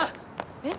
えっ？